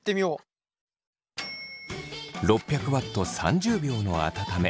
６００Ｗ３０秒の温め